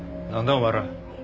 お前ら。